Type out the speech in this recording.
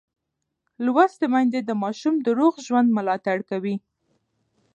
لوستې میندې د ماشوم د روغ ژوند ملاتړ کوي.